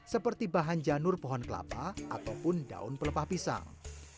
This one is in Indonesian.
seperti bahan janur pohon kelapa ataupun daun pelepah pisang